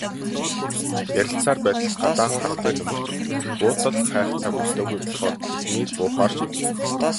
Ярилцсаар байтал гадаа харанхуй нөмөрч, буудал хайх цаг үлдээгүй болохоор эднийд буухаар шийдэв.